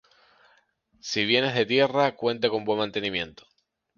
Si bien es de tierra, cuenta con buen mantenimiento.